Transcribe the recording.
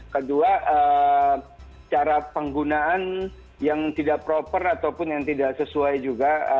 kedua cara penggunaan yang tidak proper ataupun yang tidak sesuai juga